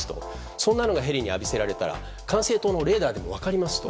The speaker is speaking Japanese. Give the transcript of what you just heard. そんなのがヘリに浴びせられたら管制塔のレーダーでも分かりますと。